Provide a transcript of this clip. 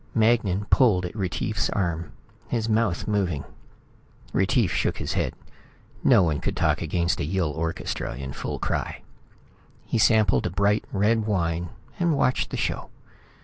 Magnan pulled at Retief's arm, his mouth moving. Retief shook his head. No one could talk against a Yill orchestra in full cry. He sampled a bright red wine and watched the show.